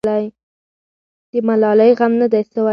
د ملالۍ غم نه دی سوی.